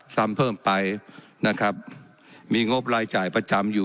ซ้ำเพิ่มไปนะครับมีงบรายจ่ายประจำอยู่